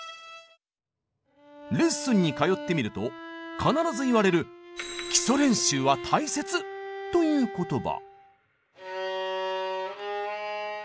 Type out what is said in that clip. レッスンに通ってみると必ず言われるという言葉。